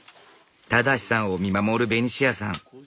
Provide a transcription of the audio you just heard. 正さんを見守るベニシアさん。